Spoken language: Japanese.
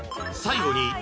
［最後に］